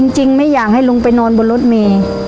ไม่อยากให้ลุงไปนอนบนรถเมย์